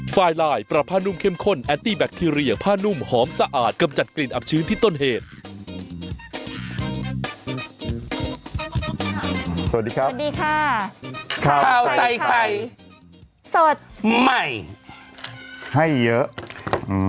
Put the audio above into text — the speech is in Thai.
สวัสดีครับสวัสดีค่ะข้าวใส่ไข่สดใหม่ให้เยอะอืม